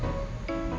dia juga kayak gila